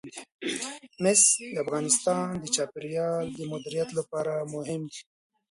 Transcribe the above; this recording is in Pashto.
مس د افغانستان د چاپیریال د مدیریت لپاره مهم دي.